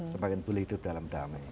semakin boleh hidup dalam damai